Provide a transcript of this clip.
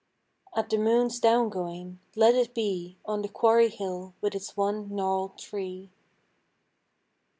At the moon's down going, let it be On the quarry hill with its one gnarled tree.